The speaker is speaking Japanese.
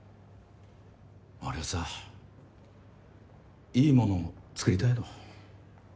俺はさいいモノを作りたいの。